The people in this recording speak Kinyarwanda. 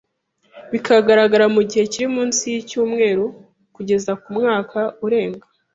bikagaragara mu gihe kiri munsi y’icyumweru kugeza ku mwaka urenga